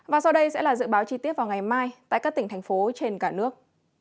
và sau đây sẽ là dự báo chi tiết vào ngày mai tại các tỉnh thành phố trên cả nước